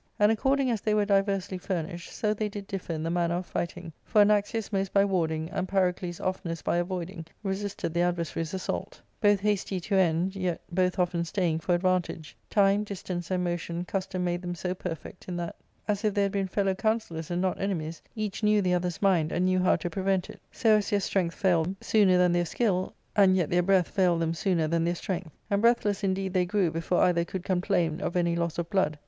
And according as they were diversely furnished, so they did differ in the manner of fighting ; for Anaxius most by warding, and Pyrocles oftenest by avoiding, resisted the adversary's assault Both hasty to end, yet both often staying for advantage. Time, distance, and motion custom made them so perfect in that, as if they had been fellow counsellors, and not enemies, each knew the other's mind, and knew how to prevent it ; so as their strength Tailed them * Bravely covered — That is, handsomely ornamented. 376 ARCADIA,— Book III, sooner than their skill, and yet their breath failed them sooner than their strength. And breathless indeed they grew before either could complain of any loss of blood.